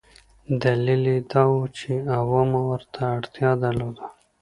دلیل یې دا و چې عوامو ورته اړتیا درلوده.